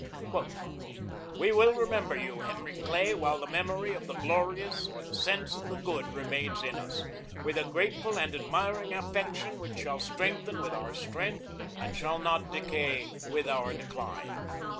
"We will remember you, Henry Clay, while the memory of the glorious or the sense of the good remains in us, with a grateful and admiring affection which shall strengthen with our strength and shall not decay with our decline.